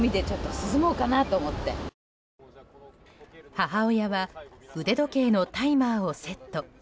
母親は腕時計のタイマーをセット。